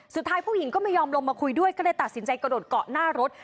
สุดท้ายผู้หญิงก็ไม่ยอมลงมาคุยด้วยก็เลยตัดสินใจกระโดดเกาะหน้ารถ